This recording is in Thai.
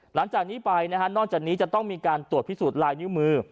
หลังจากนี้ไปนะฮะนอกจากนี้จะต้องมีการตรวจพิสูจน์ลายนิ้วมือ